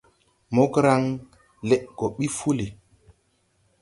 Mograŋ leʼ go ɓi fuli.